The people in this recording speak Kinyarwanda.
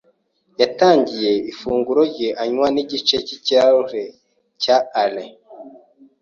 Yatangiye ifunguro rye anywa igice cyikirahure cya ale.